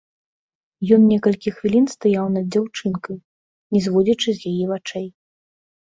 Ён некалькі хвілін стаяў над дзяўчынкай, не зводзячы з яе вачэй.